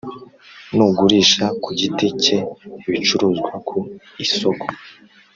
N ugurisha ku giti cye ibicuruzwa ku isoko